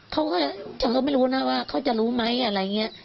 เขาก็ไม่รู้นะว่าเขาจะรู้ไหมอะไรอย่างนี้